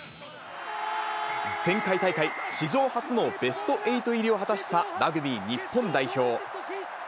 前回大会、史上初のベスト８入りを果たしたラグビー日本代表。